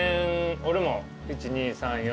俺も１２３４。